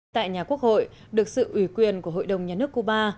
tại nhà quốc hội được sự ủy quyền của hội đồng nhà nước cuba